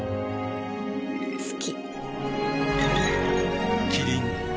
好き。